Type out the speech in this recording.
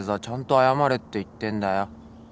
ちゃんと謝れって言ってんだよ。